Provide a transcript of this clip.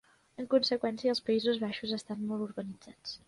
En conseqüència, els Països Baixos estan molt urbanitzats.